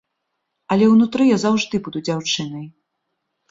Але ўнутры я заўжды буду дзяўчынай.